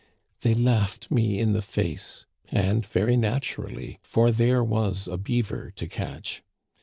They laughed me in the face ; and very naturally, for there was a beaver to catch.